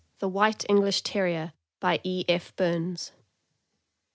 THE WHITE ENGLISH TERRIER. BY E. F. BURNS.